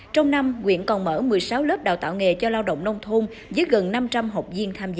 trong năm quyện còn mở một mươi sáu lớp đào tạo nghề cho lao động nông thôn dưới gần năm trăm linh học viên tham gia